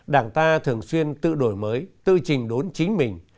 đảng ta thường xuyên tự đổi mới tự trình đốn chính mình